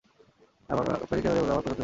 আপনাকে কেন জানি না আমার পছন্দ হয়েছে।